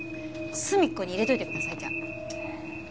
隅っこに入れといてくださいじゃあ。